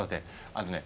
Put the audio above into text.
あのね